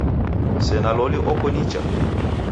Sena loli oko nicha?